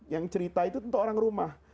yang cerita itu tentu orang rumah